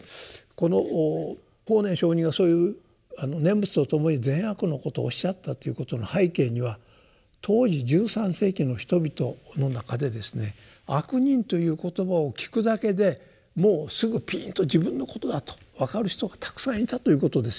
この法然上人がそういう念仏とともに善悪のことをおっしゃったということの背景には当時１３世紀の人々の中でですね「悪人」という言葉を聞くだけでもうすぐピーンと自分のことだと分かる人がたくさんいたということですよ。